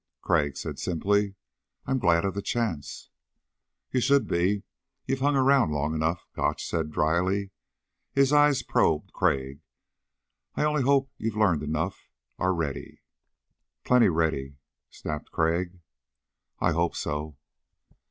Crag said simply; "I'm glad of the chance." "You should be. You've hung around long enough," Gotch said dryly. His eyes probed Crag. "I only hope you've learned enough ... are ready." "Plenty ready," snapped Crag. "I hope so."